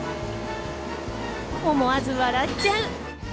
思わず笑っちゃう。